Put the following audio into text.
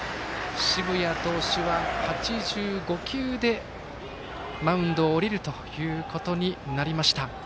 澁谷投手は、８５球でマウンドを降りるということになりました。